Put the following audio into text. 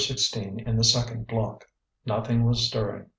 16 in the second block, nothing was stirring.